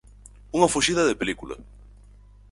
Unha fuxida de película.